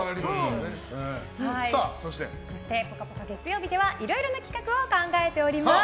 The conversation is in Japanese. そして「ぽかぽか」月曜日ではいろいろな企画を考えております。